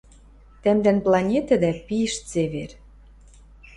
— Тӓмдӓн планетӹдӓ пиш цевер.